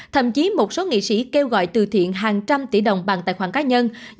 thậm chí một số nghị sĩ kêu gọi từ thiện hàng trăm tỷ đồng bằng tài khoản cá nhân